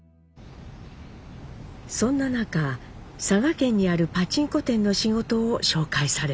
そんな中佐賀県にあるパチンコ店の仕事を紹介されます。